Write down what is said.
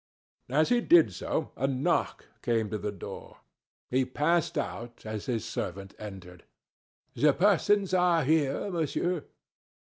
As he did so, a knock came to the door. He passed out as his servant entered. "The persons are here, Monsieur."